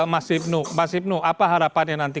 mas ibnul mas ibnul apa harapannya nanti